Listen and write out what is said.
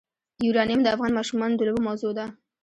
یورانیم د افغان ماشومانو د لوبو موضوع ده.